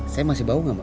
saya masih bau gak mbak